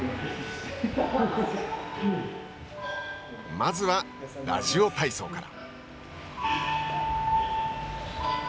まずはラジオ体操から。